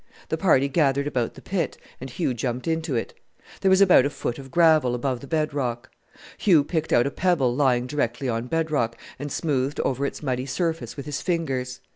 The party gathered about the pit, and Hugh jumped into it. There was about a foot of gravel above the bed rock. Hugh picked out a pebble lying directly on bed rock, and smoothed over its muddy surface with his fingers.